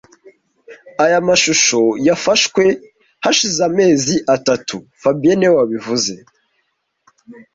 Aya mashusho yafashwe hashize amezi atatu fabien niwe wabivuze